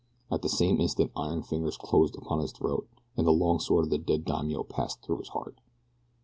At the same instant iron fingers closed upon his throat and the long sword of his dead daimio passed through his heart.